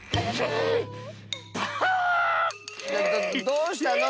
どうしたの？